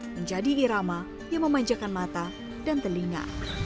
menjadi irama yang memanjakan mata dan telinga